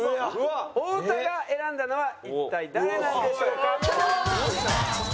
太田が選んだのは一体誰なんでしょうか？